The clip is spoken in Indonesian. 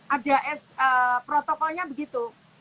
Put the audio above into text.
ada protokolnya begitu